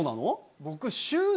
僕。